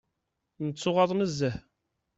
Nettuɣaḍ nezzeh.